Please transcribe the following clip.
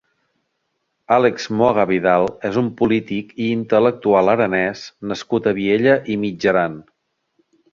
Àlex Moga Vidal és un polític i intel·lectual aranès nascut a Viella i Mitjaran.